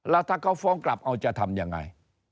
แล้วถ้าเขาฟ้องกลับเอาจะทำยังไง